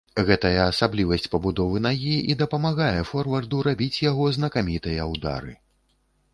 Гэтая асаблівасць пабудовы нагі і дапамагае форварду рабіць яго знакамітыя ўдары.